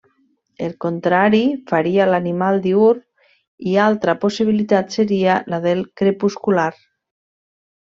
El contrari faria l'animal diürn i altra possibilitat seria la del crepuscular.